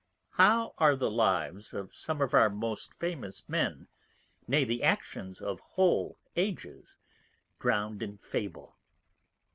_ _How are the Lives of some of our most famous Men, nay the Actions of whole Ages, drowned in Fable?